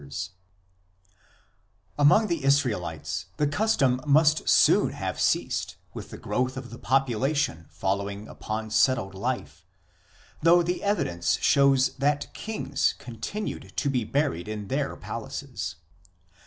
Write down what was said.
MOURNING AND BURIAL CUSTOMS 183 Among the Israelites the custom must soon have ceased with the growth of the population following upon settled life, though the evidence shows that kings continued to be buried in their palaces.